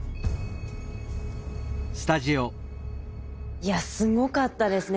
いやすごかったですね。